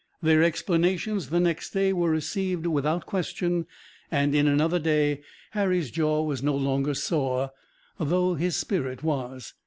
Their explanations the next day were received without question and in another day Harry's jaw was no longer sore, though his spirit was.